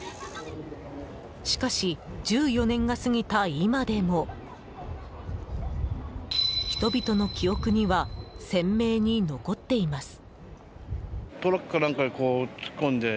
しかし、１４年が過ぎた今でも人々の記憶には鮮明に残っています。